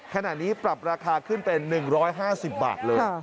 ขณะนี้ปรับราคาขึ้นเป็น๑๕๐บาทเลย